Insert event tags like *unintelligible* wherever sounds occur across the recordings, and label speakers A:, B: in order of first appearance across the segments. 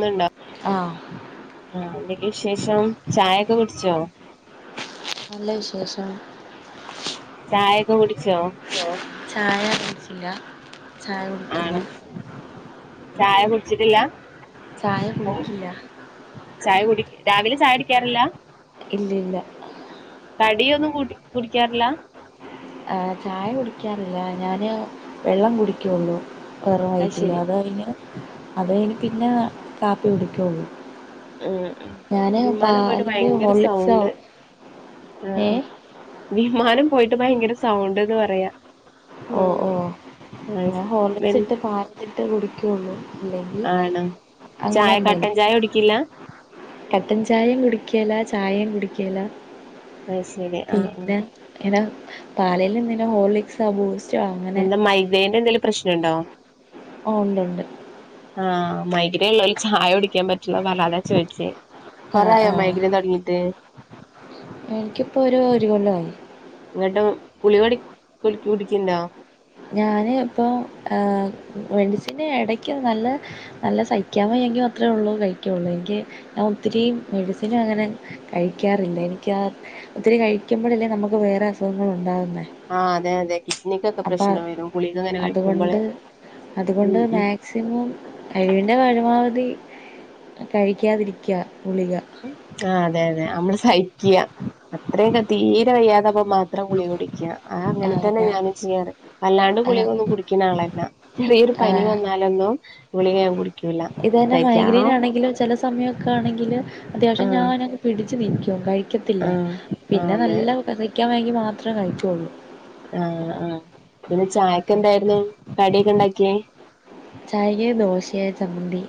A: ന്ന്ണ്ടോ
B: ആഹ്
A: ആ എന്തൊക്കെ വിശേഷം ചായൊക്കെ കുട്ച്ചോ?
B: നല്ല വിശേഷം.
A: ചായൊക്കെ കുടിച്ചോ....
B: ചായകുടി ച്ചില്ല ചായ കുടിക്കില്ല....
A: ആണ് ചായ കുട്ച്ചിട്ടില്ല?
B: ചായ കുടിക്കില്ല.....
A: ചായ കുടി രാവിലെ ചായ കുടിക്കാറില്ല?
B: ഇല്ല ഇല്ല.
A: കടിയൊന്നും കുടിക്കാറില്ല....
B: ആഹ് ചായ കുടിക്യാറില്ല ഞാന് വെള്ളം കുടിക്യുള്ളൂ. വേറെ
A: അത്
B: ആയിട്ടില്ല
A: ശരി
B: അതഴിഞ്ഞ അത് കഴിഞ്ഞ് പിന്നകാപ്പി കുടിക്കുള്ളൂ.....
A: ആ
B: ഞാന്
A: വിമാനം പോയിട്ട്
B: പാലില്
A: ഭയങ്കര
B: ഹോർലിക്സോ
A: സൗണ്ട് ആഹ ആ......
B: ഏഹ്
A: വിമാനം പോയിട്ട് ഭയങ്കര സൗണ്ട് എന്ന് പറയാ..
B: ഓ ഓ
A: ഉം അത്
B: ഞാൻ
A: ശരി
B: ഹോർളി
A: വെ
B: ക്സ് ഇട്ട് പാലത്തിട്ട് കുടിക്കോള്ളൂ ഇല്ലെങ്കിൽ
A: ആണോ ചായ കട്ടൻ
B: അങ്ങനെന്തേലും.
A: ചായ കുടിക്കില്ല
B: കട്ടൻ ചായേം കുടിക്കേല ചായേം കുടിക്കേല
A: അത് ശരി ആ ആ
B: പിന്നെ *unintelligible* എന്തിനാ ഹോർലിക്സോ ബൂസ്
A: എന്താ മൈഗ്രേന്റെന്തെങ്കിലും പ്രശ്നണ്ടോ?
B: ഓ ണ്ട് ണ്ട്
A: ആ മൈഗ്ര ഉള്ളോല് ചായുടിക്കാൻ പറ്റുലാ പറഞ്ഞ് അതാ ചോയ്ച്ചേ
B: ആ
A: കൊറെ ആയോ
B: ആ
A: മൈഗ്രയ്ൻ തൊടങ്ങീട്ട്
B: എനിക്കിപ്പോ ഒരു ഒരു കൊല്ലായി
A: ന്ന്ട്ട് ഗുളിക കുടി കുടിക്ക്‌ണ്ടോ
B: ഞാന് ഇപ്പൊ ഏ മെഡിസിന് ഇടക്ക് നല്ല നല്ല സഹിക്കാൻ വയ്യെങ്കി മത്രേള്ളൂ കഴിക്കുള്ളൂ എനിക്ക് ആ ഒത്തിരി മെഡിസിന് അങ്ങനെ കഴിക്കാറില്ല എനിക്കാ ഒത്തിരി കഴിക്കുമ്പഴല്ലേ നമക്ക് വേറെ അസുഖങ്ങൾ ഉണ്ടാവുന്നേ
A: ആഹ് അതെ അതെ കിഡ്നിക്കൊക്കെ പ്രശ്നം വരും ഗു ളികങ്ങനെ കഴിക്കുമ്പളെ
B: അതുകൊണ്ട്
A: ഉം
B: അതുകൊണ്ട്
A: ഉം
B: മാക്സിമം കഴിവിൻ്റെ പരമാവധി കഴിക്കാതിരിക്ക ഗുളിക
A: ആ അതെ അതെ അമ്മള് സഹിക്ക അത്രക്കെ തീരെ വയ്യാതപ്പം മാത്രം ഗുളിക കുടിക്ക ആ അങ്ങനെ തന്നെ ഞാന് ചെയ്യാറ് അല്ലാണ്ട്
B: ആ
A: ഗുളികൊന്നും കുടിക്ക്‌ണ ആളല്ല ചെറിയൊരു പനി
B: ആഹ്
A: വന്നാലൊന്നും ഗുളിക ഞാൻ കുടിക്കുല
B: ത് ന്നെ മൈഗ്രയിൻ ആണെങ്കില് ചില സമയക്കെ ആണെങ്കില് അത്യാവശ്യം
A: ആഹ്
B: ഞാന് പിടിച്ച് നിക്കും കഴി കത്തില്ല
A: ആഹ് ആഹ്
B: പിന്നെ
A: അതെ
B: നല്ല സയ്ക്കാൻ വയ്യെങ്കി മാത്ര കഴിക്കുള്ളൂ
A: ആ ആ പിന്നെ ചായക്ക്‌ എന്തായിരുന്നു കടിയൊക്കെ ഇണ്ടാക്കിയെ
B: ചായക്ക്‌ ദോശയ ചമ്മന്തി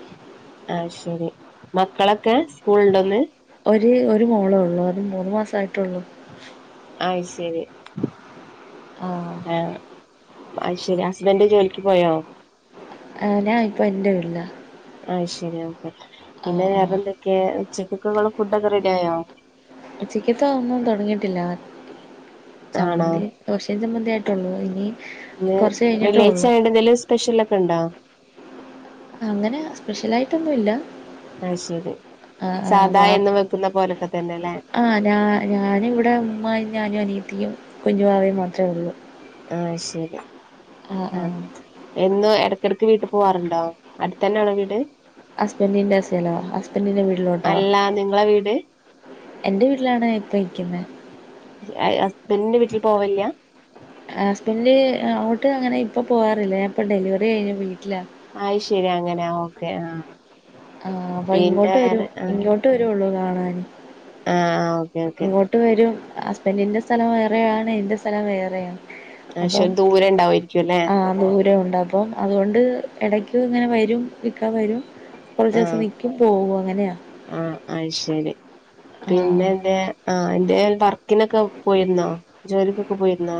A: അഹ് ശരി മക്കളൊക്കെ സ്കൂൾണ്ടോന്ന്
B: ഒര് ഒരു മോളേള്ളൂ അത് മൂന്ന് മാസയിട്ടെള്ളൂ
A: അയ് ശരി
B: ആഹ്
A: ഏ അയ് ശരി ഹസ്ബന്റ് ജോലിക്ക് പോയോ
B: ആ ഞാ ഇപ്പൊ ന്റെ വീട്ല
A: ആഹ് ശരി ആ പിന്നെ
B: ആഹ്
A: വേറെ
B: ആഹ്
A: എന്തൊക്കെ ഉച്ചക്കക്ള്ള ഫുഡൊക്കെ റെഡി ആയോ
B: ഉച്ചക്കത്തെ ഒന്നും തുടങ്ങിട്ടില്ല
A: ആണോ
B: ചമ്മന്തി ദോഷിം ചമ്മന്തി ആയിട്ടുള്ളു ഇനി കൊറച്ച് കഴിഞ്ഞിട്ടേ ഉള്ളു
A: സ്പെഷ്യലൊക്കെണ്ടോ
B: അങ്ങനെ സ്പെഷ്യലായിട്ടൊന്നുംല്ല
A: ആയ് ശരി സാദാ എന്നും വെക്കുന്ന പോലൊക്കെ തന്നെ ലെ
B: ആ ഞാ ഞാനിവിടെ ഉമ്മായും ഞാനും അനിയത്തിയും കുഞ്ഞു വാവയും മാത്രെ ഉള്ളൂ
A: ആഹ് ശരി ആഹ് എന്നും എടക്കടക്ക് വീട്ടി പോവാറുണ്ടോ അടുത്തന്നെയാണോ വീട്
B: ഹസ്ബൻഡിന്റെ അസേലോ ഹസ്ബൻറ്റിന്റെ വീട്ടിലോട്ടോ
A: അല്ല നിങ്ങളെ വീട്
B: എന്റെ വീട്ടിലാണ് ഇപ്പം നിക്കുന്നെ
A: അഹ് ഹസ്ബൻഡിന്റെ വീട്ടിൽ പോവലില്ല
B: അ ഹസ്ബൻഡ് ആ അങ്ങോട്ട് അങ്ങനെ ഇപ്പം പോവാറില്ല ഞാനിപ്പം ഡെലിവറി കഴിഞ്ഞു വീട്ടിലാ
A: അയ് ശരി അങ്ങനെ ഓക്കെ ആഹ്
B: ആ അപ്പൊ
A: പിന്നെ
B: ഇങ്ങോട്ട്
A: വേറെ
B: വരും ഇങ്ങോട്ട് വരുള്ളു കാണാൻ
A: ആ ആ
B: ഇങ്ങോട്ട് വരും ഹസ്ബൻറിന്റെ സ്ഥലം വേറെയാണ് ന്റെ സ്ഥലം വേറെയാണ്
A: പക്ഷെ
B: അപ്പം
A: ദൂരം ഉണ്ടാവുമായിരിക്കും അല്ലേ
B: ആ ദൂരം ഉണ്ട അപ്പം അതുകൊണ്ട് ഇടയ്ക്ക് ഇങ്ങനെ വരും ഇക്ക വരും കൊറച്ചോസം നിക്കും പോവും അങ്ങനെയാ
A: ആ അയ് ശരി
B: ആഹ്
A: പിന്നെന്തെ ആ എന്തേൽ വർ ക്കിനൊക്കെ പോയിരുന്നോ ജോലിക്കൊക്കെ പോയിരുന്നോ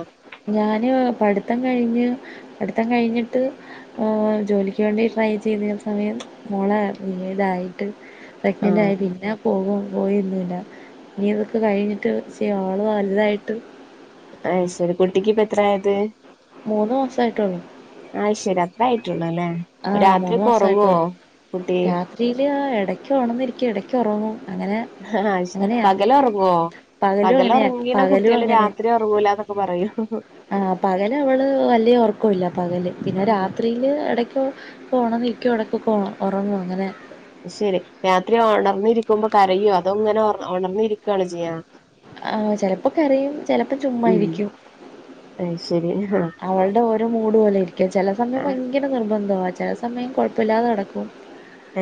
B: ഞാന് പഠിത്തം കഴിഞ്ഞ് പഠിത്തം കഴിഞ്ഞിട്ട് ആ ജോലിക്ക് വേണ്ടി ട്രൈ ചെയ്തിര്ന സമയം മോള ഉം പിന്നീട് ആയി ട്ട് പ്രഗ്നന്റ് ആയി
A: ആഹ്
B: പിന്ന പോകും പോയിര്ന്നില്ല നി ഇതൊക്കെ കഴിഞ്ഞിട്ട് ആൾ വലുതായിട്ട്
A: അയ്ശരി കുട്ടിക്ക് ഇപ്പ എത്രയത്
B: മൂന്ന് മാസായിട്ടുള്ളൂ
A: ആ്ശരി അത്ര ആയിട്ടുള്ളു അല്ലേ
B: ആഹ്
A: രാത്രിഒക്കെ ഒറങ്ങോ കുട്ടി
B: *unintelligible* ആഹ് എടയ്ക്ക് ഒണന്ന് ഇരിക്കും. എടയ്ക്ക് ഒറങ്ങും. അങ്ങനെ
A: ആഹ്
B: അങ്ങനെയാ
A: പകല് ഒറങ്ങോ
B: പകലും അങ്ങനെയാ
A: പകലൊറങ്ങീണ
B: പകലും
A: കുട്ട്യാള് രാത്രി പോവൂലാന്നൊക്കെ പറയോ
B: ആ പകല് അവള് വല്യ ഉറക്കൂല്ല പകല് പിന്നെ
A: ആഹ്
B: രാത്രി അതിൽ ഇടയ്ക്ക് പോണം നിൽക്കും ഇടയ്ക്ക് പോണം ഉറങ്ങു അങ്ങനെ
A: ശെരി. രാത്രി ഒണർന്നിരിക്കുമ്പ കരയൊ? അതൊ ങ്ങനെ ഒർ ഒണർന്നിരിക്കാണൊ ചെയ്യാ?
B: ആഹ്. ചെലപ്പൊ കരയും. ചെലപ്പം ചുമ്മാഇരിക്കും.
A: അയ്ശരി ആഹ്
B: അവളുടെ ഓരോ മൂഡ് പോലെ ഇരിക്കും ചില സമയം ഭ ൻക്യന്നെ നിർബന്ധവാ. ചെല സമയം കൊഴപ്പല്ലാതെ നടക്കും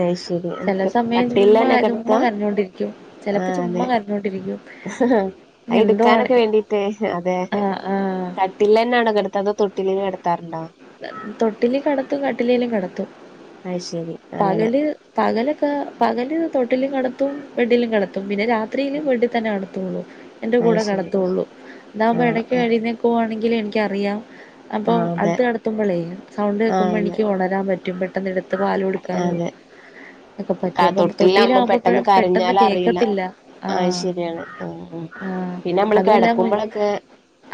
A: അയ് ശരി
B: ചെല സമയം ചുമ്മാ
A: കട്ടിലിലെന്നെ
B: ചുമ്
A: കെടത്താ
B: കരഞ്ഞൊണ്ടിരിക്കും ചെലപ്പോ ചുമ്മാ കരഞ്ഞോണ്ടിരിക്കൂ
A: അയ് ഇട്ക്കാനൊക്കെ വേണ്ടിട്ടേ. അതെ.
B: ആഹ് ആഹ്
A: കട് തൊട്ടിൽ തന്നെയാണ് കെടുത്ത അതോ തൊട്ടിലി കെടത്താറുണ്ടോ
B: തൊട്ടില് കിടത്തും കട്ടിലേലും കിടത്തും
A: അയ് ശരി അങ്ങനെ
B: പകല് പകലൊക്കെ പകല് തൊട്ടിലും കെടത്തും. ബെഡിലും കെടത്തും. പിന്നെ രാ ത്രീല് ബെഡ്തന്നെ അട്ത്തൂള്ളു. എന്റെ
A: അയ്
B: കൂടെ
A: ശരി
B: കെടത്തൂള്ളു. അതാ വ്മ്പൊ
A: ആ
B: എടയ്ക്ക്
A: ആ
B: എഴ്ന്നേക്കു പോവാങ്കില് എനിക്കറിയാം. അപ്പൊ
A: ആ അതെ
B: അട്ത്തെട് സൗണ്ട്
A: ആ
B: കേൾക്കുമ്പോ
A: അതെ
B: എനിക്ക് ഒണരാൻ പറ്റും പെട്ടെന്നടുത്ത് പാല് കൊടുക്കാനും ഒക്കെ പറ്റും അപ്പം
A: തൊട്ടിലാവകുമ്പോ
B: തൊട്ടിയിലാകുമ്പോ
A: പെട്ടെന്ന്
B: പെട്ടെന്ന്
A: കരഞ്ഞാലറിയില്ല
B: കേക്കത്തില്ല
A: ആ
B: ആഹ്
A: ശരിയാണ് പിന്നെമ്മള് കെടക്കുമ്പളൊക്കേ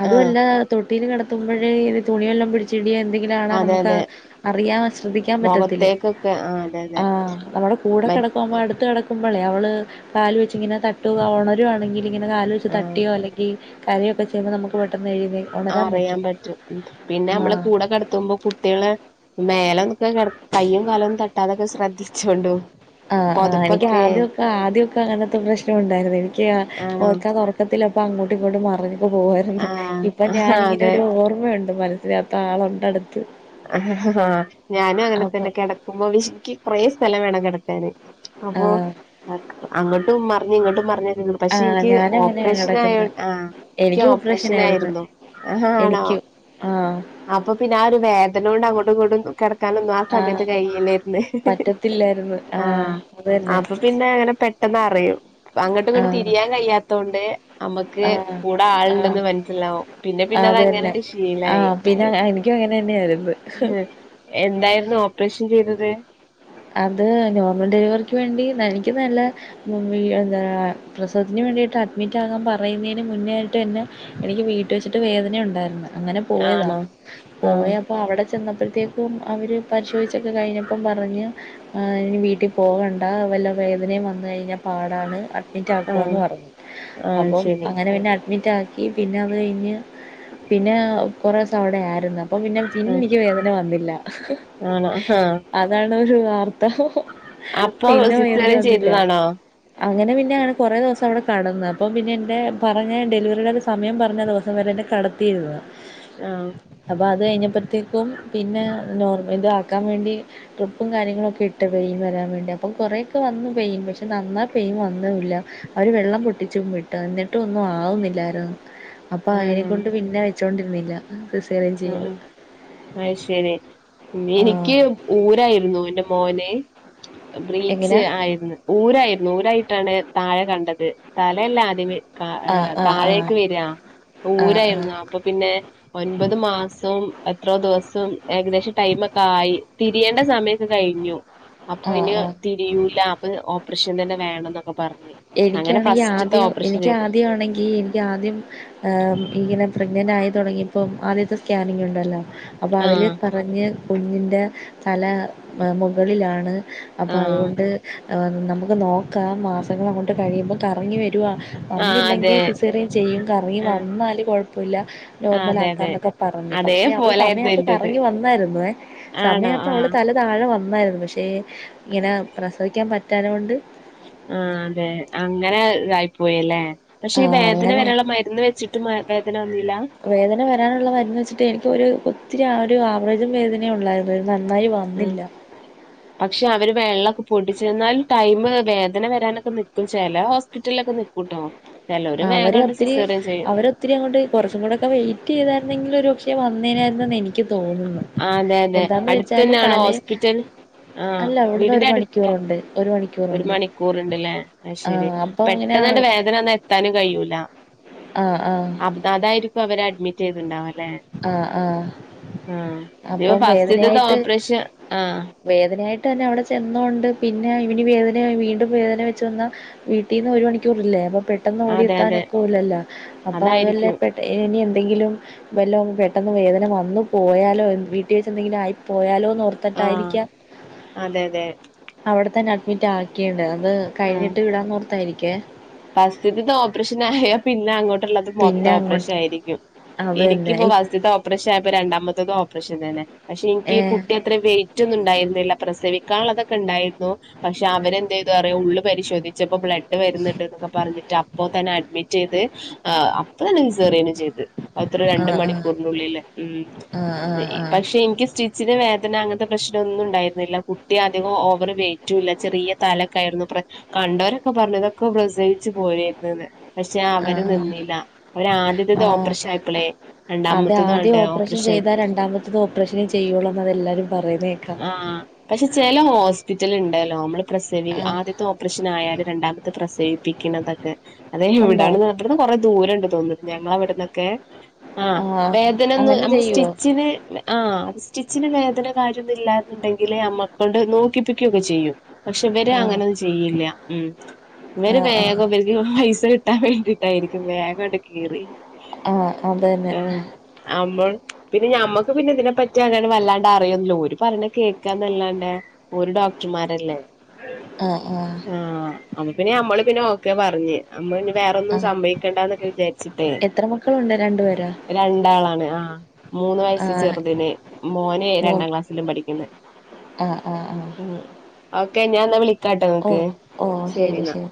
B: അതും അല്ല തൊട്ടീൽ കിടത്തുമ്പോഴേ തുണിയെല്ലാം പിടി ചെറിയ എന്തെങ്കിലും ആണാ
A: അതെ
B: നമ്മുക്ക്
A: അതെ
B: അർ അറിയാൻ, ശ്രദ്ധിക്കാൻ പറ്റത്തില്ല.
A: മുഖത്തേക്കൊക്കെ ആ അതെ അതെ
B: ആഹ് നമ്മുടെ കൂടെ കേട
A: മറ്റ്
B: ഇപ്പോംമ്മടുത്ത് കിടക്ക്മ്പോളേ അവൾ കാല് വച്ചിങ്ങനെ തട്ടുക ഒണരുവാണെങ്കിൽ ഇങ്ങനെ കാലോ വെച്ച്
A: ആ
B: തട്ടിയോല്ലെിൽ കരയോക്കെ ചെയുമോൾ നമുക്ക് പെട്ടെന്ന് എഴുതിേ
A: ആ
B: ഉണരാൻ
A: അറിയാൻ
B: പറ്റും
A: പറ്റും. ഉം. പിന്നെ അമ്മള്
B: ആഹ്.
A: കൂടെക്കെടത്തുമ്പൊ കുട്ട്യേളെ മേല് ഒക്കെ കെട കൈയ്യും കാലൊന്നും തട്ടാതൊക്കെ ശ്രദ്ധി ഉം
B: ആഹ ആഹ്. എനിക്ക് ആദ്യൊക്കെ ആദ്യൊക്കെ അങ്ങനത്തെ പ്രശ്നം ഉണ്ടായിര്ന്ന്. എനിക്ക് ആ
A: ആണോ
B: ഓർക്കാതെ ത്തത്തില് അപ്പ അങ്ങോട്ടും ഇങ്ങോട്ടും മറഞ്ഞ് പ്പൊ പോകാ ര്ന്ന്.
A: ആഹ്
B: ഇപ്പൊ
A: ആഹ്
B: ഞാനി ഇങ്ങനെ
A: അതെ
B: ഒരു ഓർമ്മയുണ്ട് മനസ്സില്. താളോണ്ടടുത്ത്
A: ഞാനും അങ്ങനെ തന്നെ. കെടക്കുമ്പൊ ഇശ്ക്കി കൊറെേ സ്ഥലം വേണം കെടക്കാന്. അപ്പോ.
B: ആഹ്
A: അക്ക് അങ്ങട്ടും മർഞ്ഞ് ഇങ്ങട്ടും മർഞ്ഞ് മ്. പഷെ
B: ആഹ്
A: ഇൻക്ക്
B: ഞാനങ്ങനെയാ
A: ഓപ്പറേഷൻ ആയോ
B: കിടക്കുന്നെ.
A: ആഹ്.
B: എനിക്ക് ഓപ്പറേഷൻ
A: ക്ക്യോപ്പറേഷന ആയിരുന്നു ആണോ
B: എനിക്കും ആഹ്
A: അപ്പൊ പിന്നെ ആ ഒരു വേദനോണ്ട് അങ്ങോട്ടു ഇങ്ങോട്ടു കെടക്കാനൊന്നും ആ
B: ആഹ്.
A: സമയത്ത് കയില്ലാര്ന്ന്.
B: പറ്റത്തില്ലായിരുന്നു
A: ആഹ്.
B: അത് തന്നെ
A: അപ്പ പിന്നെ അങ്ങനെ പെട്ടെന്ന് അറിയും അങ്ങട്ടുംങ്ങട്ട്
B: ആഹ്
A: തിരിയാൻ കഴിയാത്തോണ്ട് അമ്മക്ക്
B: ആഹ്
A: കൂടെ ആളുണ്ടെന്ന്
B: ആഹ്
A: മനസ്സിലാവും പിന്നെ പിന്നെ അത് അങ്ങനെണ്ട് ശീലായി
B: ഒും അങ്ങനന്നെയായിരുന്ന്
A: ഹ എന്തായിരുന്നു ഓപ്പറേഷൻ ചെയ്തത്
B: അത് നോർമൽ ഡെലിവറിക്ക് വേണ്ടി എനിക്ക് നല്ല എന്താ പ്രസവത്തിന് വേണ്ടിയിട്ട് അഡ്മിറ്റാകാൻ പറയുന്നേന് മുന്നോയിട്ട്ന്നെ എനിക്ക് വീട്ട് വെച്ചിട്ട് വേദനയുണ്ടായിര്ന്ന്. അങ്ങനെ പോയതാ.
A: ആണോ
B: പോയ
A: ആഹ്
B: പ്പ അവടെ ചെന്നപ്പഴത്തേക്കും. അവര് പര്ശോധിച്ചൊക്കെ കഴിഞ്ഞപ്പം പറഞ്ഞ്. ആഹ്. ഇനി വീട്ടി പോവണ്ട. വല്ല വേദനയും വന്നഴിഞ്ഞ പാടാണ്. അഡ്മിറ്റ്
A: ആഹ്
B: ആക്കോന്ന് പറഞ്ഞു
A: ആഹ്
B: അപ്പം
A: ശരി
B: അങ്ങനെ പിന്നെ അഡ്മിറ്റ് ആ പിന്നെ അത് കഴിഞ്ഞ് പിന്നെ കുറേ ദിവസം അവിടെയായിരുന്നു അപ്പ പിന്നെ പിന്നെ
A: ആഹ്
B: എനിക്ക് വേദന വന്നില്ല
A: ആണോ ആഹ്
B: അതാണ് ഒരു വാർത്ത
A: അപ്പൊ
B: പിന്നെ വേദന
A: സിസേറിയൻ
B: വന്നില്ല.
A: ചെയ്തതാണോ
B: അങ്ങനെ പിന്നെയാണ് കുറേ ദിവസം അവിടെ കടന്ന അപ്പം പിന്നെ എൻ്റെ പറഞ്ഞ ഡെലിവറുടെ സമയം പറഞ്ഞ ദിവസം വരെ കടത്തിയിരുന്നു.
A: ആഹ്
B: അപ്പൊ അത് കഴിഞ്ഞപ്പഴത്തേക്കും പിന്നെ നോർ ഇത് ആക്കാൻ വേണ്ടി ട്രിപ്പും കാര്യങ്ങള ക്കെ ഇട്ട് പെയിൻ വരാൻ വേണ്ടി അപ്പം കൊറേക്കെ വന്ന് പെയിൻ പക്ഷെ നന്നായി പെയിൻ വന്നുല്ല. അവർ വെള്ളം പൊട്ടിച്ചും വിട്ട് എന്നിട്ടും ഒന്നും ആവുന്നില്ലായിരുന്നു. അപ്പോൾ
A: ആണോ
B: അതിനെക്കൊണ്ട് പിന്നെ വെച്ചുകൊണ്ടിരുന്നില്ല
A: ആഹ് ആഹ് അത് ശരി പിന്നെ
B: ആ
A: എനിക്ക് ഊരായിരുന്നു എന്റെ മോനെ ബ്രീച്ച്
B: എങ്ങനെയാ
A: ആയിരുന്നു. ഊരായിരുന്നു ഊരായിട്ടാണ് താഴെ കണ്ടത് തലയല്ല ആദ്യമേ കാ
B: ആ ആ ആ
A: താഴേക്ക് വരാ
B: ആ
A: ഊരായിരുന്നു
B: ആ
A: അപ്പൊ പിന്നെ ഒമ്പത് മാസവും എത്രോ ദിവസം ഏകദേശം ടൈമൊക്കെ ആയി തിരിയേണ്ട സമയൊക്കെ കഴിഞ്ഞു. അപ്പൊ
B: ആ
A: ഇനി
B: ആ
A: തിരിയൂല അപ്പ ഓപ്പറേഷൻ തന്നെ വേണം എന്നൊക്കെ പറഞ്ഞ്. അങ്ങനെ
B: എനിക്കാണെങ്കിൽ
A: ഫസ്റ്റ്ത്തെ
B: ആദ്യം
A: ഓപ്പറേഷൻ
B: എനിക്ക്
A: ചെയ്ത്
B: ആദ്യമാണെങ്കിൽ എനിക്ക് ആദ്യം ഉം ഇങ്ങനെ പ്രഗ്നൻ്റ് ആയി തുടങ്ങിയപ്പോം ആദ്യത്തെ സ്കാനിങ് ഉണ്ടല്ലോ അപ്പൊ അതില്
A: ആഹ്
B: പറഞ്ഞ് കുഞ്ഞിൻ്റെ തല മുകളിലാണ് അപ്പ
A: ആഹ്
B: അതുകൊണ്ട് നമുക്ക് നോക്കാം മാസങ്ങൾ അങ്ങോട്ട് കഴിയുമ്പോൾ കറങ്ങി വരു
A: ആഹ്
B: വന്നില്ലെങ്കിൽ
A: അതെ
B: സിസേറിയൻ ചെയ്യും കറങ്ങി
A: ആഹ്
B: വന്നാല് കൊഴപ്പമില്ല
A: ആ
B: നോർമൽ
A: അതെ അതെ
B: ആക്കാന്നൊക്കെ പറഞ്ഞു
A: അതേ
B: പക്ഷെ അവള്
A: പോലായിരുന്നു
B: സമയപ്പ
A: എന്റത്
B: കറങ്ങി വന്നായിരുന്നു
A: ആണോ
B: സമയപ്പ
A: ആ
B: അവള് തല താഴെ വന്നായിരുന്നു പക്ഷേ ഇങ്ങനെ പ്രസവിക്കാൻ പറ്റാഞ്ഞ കൊണ്ട്
A: ആഹ് അതെ അങ്ങനെ ഇതായി പോയല്ലേ? പക്ഷെ ഈ
B: ആഹ്
A: വേദന
B: അങ്ങനെ
A: വരാനുള്ള മരുന്ന് വെച്ചിട്ട് വേദന വന്നില്ല?
B: വേദന വരാനുള്ള മരുന്ന് വെച്ചിട്ട് എനിക്ക് ഒരു ഇത്തിരി ആ ഒരു ആവറേജും വേദനയും ഉള്ളായിരുന്നു. നന്നായി
A: ഉം
B: വന്നില്ല.
A: പക്ഷെ അവര് വെള്ളമൊക്കെ പൊട്ടിച്ച് എന്നാലും ടൈം വേദന വരാനൊക്കെ നിക്കും ചെല ഹോസ് പിറ്റലിലൊക്കെ നിക്കൂട്ടോ. ചെലോര്
B: അവര്
A: വേഗണ്ട്
B: ഒത്തിരി
A: സിസേറിയൻ ചെയ്യും
B: അവര ഒത്തിരി അങ്ങോട്ട് കുറച്ചു കൂടെക്കെ വെയിറ്റ് ചെയ്തിരുന്നങ്കിൽ ഒരു പക്ഷേ വന്നേനേയിരുന്നു എനി ക്ക് തോന്നുന്നു
A: ആ അതെ അതെ
B: എന്താന്ന് വെച്ചാല്
A: അടുത്തന്നെയാണോ
B: തല
A: ഹോസ്പിറ്റൽ ആ
B: അല്ല അവിടുന്ന്
A: വീടിന്റെ
B: ഒരു
A: അടു
B: മണിക്കൂർ ണ്ട് ഒരു മണി
A: ഒരു മണിക്കൂറണ്ട്ല്ലേ അത് ശെരി
B: അപ്പൊ ഇങ്ങനെ
A: പെട്ടെന്ന് അങ്ങട്
B: ആ
A: വേദന വന്ന നിർത്താനും കയ്യൂല.
B: ആഹ് ആഹ്
A: അതായിരിക്കും അവര് അഡ്മിറ്റ് ചെയ്തുണ്ടാവും ല്ലെ?
B: ആ ആ
A: ആഹ്
B: അപ്പം
A: ഫസ്റ്റത്തെ
B: വേദനയായിട്ട്
A: ഓപ്പ്രേഷൻ ആഹ്
B: വേദനയായിട്ട് തന്നെ അവിടെ ചെന്നോണ്ട് പിന്നെ ഇനി വേദന വീണ്ടും വേദന വെച്ചു വന്ന വീട്ടീന്ന് ഒരു മണിക്കൂറല്ലേ അപ്പൊ പെട്ടെന്ന്
A: അതെ അതെ
B: ഓടിയത്താനൊക്കല്ലല്ലോ അപ്പൊ അതല്ലേ
A: അതായിരിക്കും
B: ഇനി എന്തെങ്കിലും വല്ല പെട്ടെന്ന് വേദന വന്നു പോയാലോ വീട്ടിൽ വെച്ച് എന്തെങ്കിലും ആയി പോയാലോന്ന് ഓർത്ത
A: ആഹ്
B: ട്ടായിരിക്കാം.
A: അതെ അതെ
B: അവിടെ തന്നെ അഡ്മിറ്റ് ആക്കിണ്ട് അത് കഴിഞ്ഞിട്ട് വിടാന്ന് ഓർത്തായിരിക്കേ
A: ഫസ്റ്റത്തത് ഓപ്പറേഷൻ ആയ പിന്നെ അങ്ങോട്ടുള്ളത് മൊത്തം
B: പിന്നെ അങ്ങോട്ട്
A: ഓപ്പറേഷൻ ആയിരിക്കും
B: അത് തന്നെ
A: എനിക്കിപ്പോ ഫസ്റ്റത്തെ ഓപ്പറേഷൻ ആയപ്പോ രണ്ടാമത്തതും ഓപ്പറേഷൻ തന്നെ പക്ഷെ എനിക്ക്
B: ഏഹ്
A: കുട്ടിയ അത്ര വെയിറ്റ് ഒന്നും ഉണ്ടായിരുന്നില്ല പ്രസവിക്കാൻ ഉള്ളതൊക്കെ ഉണ്ടായിരുന്നു. പക്ഷെ അവരെന്തയതുറിയേ ഉള് പരിശോധിച്ചപ്പോ ബ്ലഡ് വരുന്ന പറഞ്ഞിട്ട് അപ്പൊ തന്നെ അഡ്മിറ്റ് ചെയ്ത് ആഹ് ഞാൻ അങ്ങ് സേറിയന് ചെയ്ത് അത്ര രണ്ട്
B: ആഹ്
A: മണിക്കൂറിനുള്ളില് ഉം
B: ആഹ് ആഹ് ആഹ് ആഹ്
A: പക്ഷെ നിക്ക് സ്റ്റി ഇച്ചിരി വേദന അങ്ങനത്തെ പ്രശ്നം ഒന്നും ഉണ്ടായിരുന്നില്ല കുട്ടി അധികം ഓവറി വെയിറ്റുയില്ല. ചെറിയ തലക്കയറുന്ന പ്ര കണ്ടരൊക്കെ പറഞ്ഞതൊക്കെ പ്രസവിച്ച് പോരായ്രുന്നുന്ന്. പക്ഷെ അവര്
B: ആഹ് ആഹ്
A: നിന്നില്ല അവര് ആദ്യത്തത്
B: ആഹ്
A: ഓപ്പറേഷൻആയിപ്പളേ രണ്ടാമ്മത്തെതും ആണ്ട് ഓ
B: ഒന്ന് ചെയ്താൽ രണ്ടാമത്തത് ഓപ്പറേഷനെ ചെയ്യുള്ള എന്ന് എല്ലാവരും പറയുന്നത് കേക്കാം.
A: ആഹ് പക്ഷെ ചെല ഹോസ്പിറ്റൽ ഒണ്ടല്ലോ നമ്മള് പ്രസവി
B: ആഹ്
A: ആദ്യത്തെ ഓപ്പറേഷൻ ആയാല് രണ്ടാമ പ്രസവിപ്പിക്കുന്നതൊക്കെ അതെ
B: ഉണ്ടോ
A: എവിടാണ് ഇവിടുന്ന് കൊറ ദൂരണ്ട് തോന്നുന്നു ഞങ്ങളെ അവിടെനെക്കെ. ആ
B: ആഹ്
A: വേദന ഒന്ന്
B: അങ്ങനെ
A: നമുക്ക്
B: ചെയ്യുവോ
A: സ്റ്റിച്ചിന് ആ അത് സ്റ്റിച്ചിന് വേദന കാര്യ ഒന്നും ഇല്ല എന്നുണ്ടെങ്കില് നമ്മെക്കൊണ്ട് നോക്കിപ്പിക്കുക്കെ ചെയ്യും. പക്ഷെ ഇവര്
B: ആഹ്
A: അങ്ങനൊന്നും ചെയ്യില്ല ഉം ഇവര്
B: ആഹ് ആഹ്
A: വേഗം വിൽ പൈസ കിട്ടാൻ വേണ്ടിട്ടായിരിക്കും വേഗംണ്ട് കീറി
B: ആഹ് അത് തന്നെ
A: ആ മോൾ പിന്നെ നമ്മക്ക് പിന്നെ ഇതിനെപ്പറ്റി അങ്ങനെ വല്ലാണ്ട് അറിയന്നല്ലോ ഒരു പറഞ്ഞ കേൾക്കാന്നല്ലാണ്ട് ഒരു ഡോക്ടർമാരല്ലേ.
B: ആഹ് ആഹ്
A: അപ്പം പിന്നെ നമ്മള് പിന്നെ ഓക്കെ പറഞ്ഞ്. നമ്മൾ നി വേറൊന്നും
B: ആഹ്
A: സംഭവിക്കണ്ട എന്നൊക്കെ വിചാരിച്ചിട്ടേ.
B: എത്ര മക്കളുണ്ട് രണ്ടു പേരോ
A: രണ്ടാളാണ് ആ മൂന്ന് വയസ്
B: ആഹ്
A: ചെറുതിന് മോന്
B: മൂന്ന്
A: രണ്ടാം ക്ലാസ്. പിന്നെ പഠിക്കുന്നേ
B: ആഹ് ആഹ് ആഹ്
A: ഉം ഓക്കെ ഞാൻവിളിക്കാട്ടെ ങ്ങക്ക്
B: ഓ ശരി ശരി